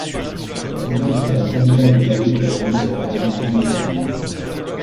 Elles sont dirigées par des syndicats de vallées qui réunissent des représentants des familles.